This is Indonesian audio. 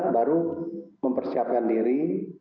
baru mempersiapkan diri